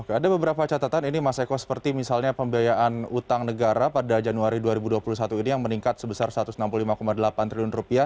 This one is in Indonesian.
oke ada beberapa catatan ini mas eko seperti misalnya pembiayaan utang negara pada januari dua ribu dua puluh satu ini yang meningkat sebesar satu ratus enam puluh lima delapan triliun rupiah